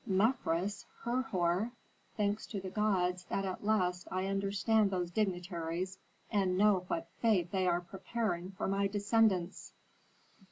Mefres Herhor! Thanks to the gods that at last I understand those dignitaries and know what fate they are preparing for my descendants."